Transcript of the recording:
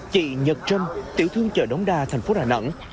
chị nhật trâm tiểu thương chợ đống đa thành phố đà nẵng